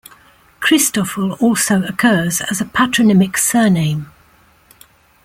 Christoffel also occurs as a patronymic surname.